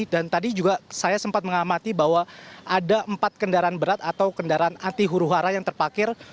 dan saya juga sempat mengamati bahwa ada empat kendaraan berat atau kendaraan anti huru hara yang terpakir